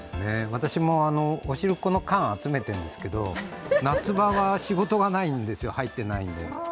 私も、おしるこの缶を集めてるんですけど夏場は仕事がないんですよ、入ってないんで。